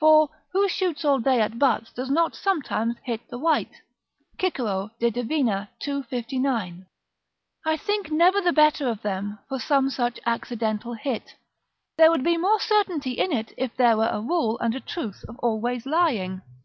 ["For who shoots all day at butts that does not sometimes hit the white?" Cicero, De Divin., ii. 59.] I think never the better of them for some such accidental hit. There would be more certainty in it if there were a rule and a truth of always lying.